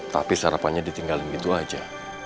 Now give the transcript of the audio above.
tapi sarapannya ditinggalin gitu aja